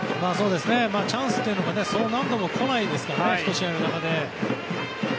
チャンスというのはそう何度も来ないですから１試合の中で。